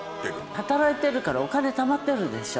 働いてるからお金たまってるでしょ。